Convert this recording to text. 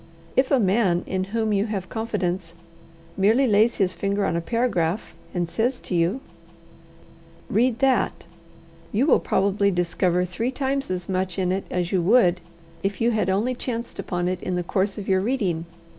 If a man in whom you have confidence merely lays his finger on a paragraph and says to you, "Read that," you will probably discover three times as much in it as you would if you had only chanced upon it in the course of your reading.